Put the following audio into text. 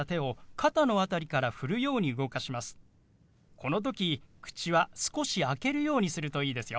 この時口は少し開けるようにするといいですよ。